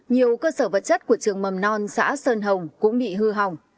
nhiều cơ sở vật chất của trường mầm non xã sơn hồng cũng bị hư hỏng